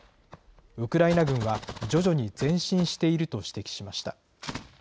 ウクライナ軍は、徐々に前進していると指摘しました。